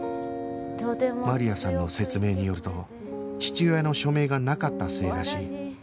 マリアさんの説明によると父親の署名がなかったせいらしい